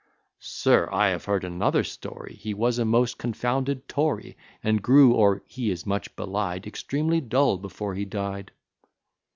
"Sir, I have heard another story: He was a most confounded Tory, And grew, or he is much belied, Extremely dull, before he died."